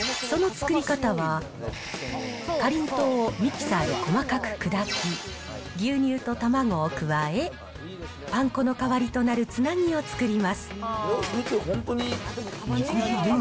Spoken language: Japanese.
その作り方は、かりんとうをミキサーで細かく砕き、牛乳と卵を加え、パン粉の代わりとなるつなぎを作ります。